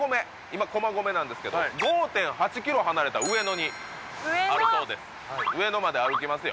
今駒込なんですけど５．８ｋｍ離れた上野に上野あるそうです